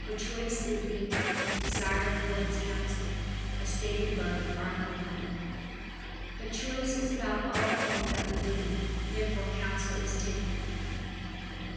For choice is the "desire of what is counselled" as stated above (A. 1). But choice is about all things that we do. Therefore counsel is too.